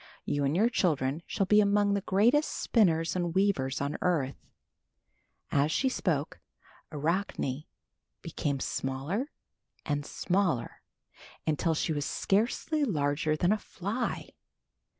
"You and your children shall be among the greatest spinners and weavers on earth." As she spoke, Arachne became smaller and smaller until she was scarcely larger than a fly.